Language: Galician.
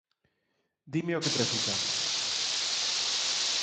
Dime o que precisa.